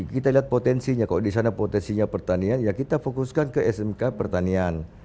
kita lihat potensinya kalau di sana potensinya pertanian ya kita fokuskan ke smk pertanian